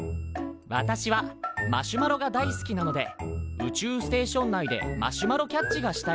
「私はマシュマロが大好きなので宇宙ステーション内でマシュマロキャッチがしたいです」。